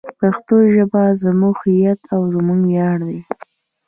پښتو ژبه زموږ هویت او زموږ ویاړ دی.